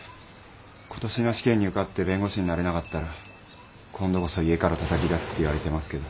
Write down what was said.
今年の試験に受かって弁護士になれなかったら今度こそ家からたたき出すって言われてますけど。